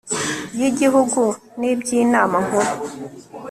y igihugu n iby Inama Nkuru